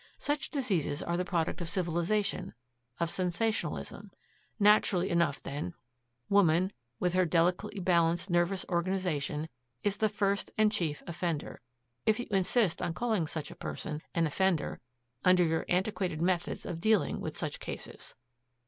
"Such diseases are the product of civilization, of sensationalism. Naturally enough, then, woman, with her delicately balanced nervous organization, is the first and chief offender if you insist on calling such a person an offender under your antiquated methods of dealing with such cases."